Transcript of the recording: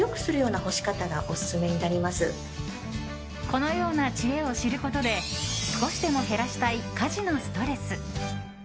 このような知恵を知ることで少しでも減らしたい家事のストレス。